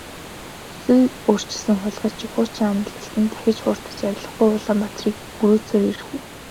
Зүсээ өөрчилсөн хулгайч шиг хуучин амлалтад дахин хууртаж авлигагүй Улаанбаатарыг мөрөөдсөөр үлдэх үү?